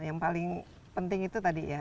yang paling penting itu tadi ya